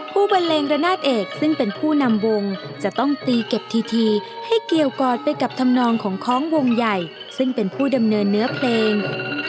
บันเลงระนาดเอกซึ่งเป็นผู้นำวงจะต้องตีเก็บทีให้เกี่ยวกอดไปกับธรรมนองของคล้องวงใหญ่ซึ่งเป็นผู้ดำเนินเนื้อเพลง